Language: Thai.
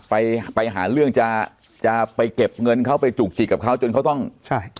ไปไปหาเรื่องจะจะไปเก็บเงินเขาไปจุกจิกกับเขาจนเขาต้องใช่